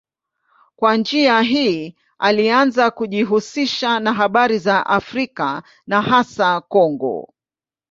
Kwa njia hii alianza kujihusisha na habari za Afrika na hasa Kongo.